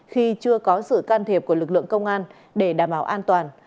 khi chưa có sự can thiệp của lực lượng công an để đảm bảo an toàn